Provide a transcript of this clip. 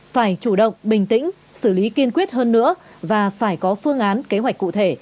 phải chủ động bình tĩnh xử lý kiên quyết hơn nữa và phải có phương án kế hoạch cụ thể